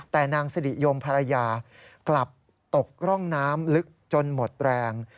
แต่นางสิริยมภรรยากลับตกร่องน้ำลึกจนหมดแรง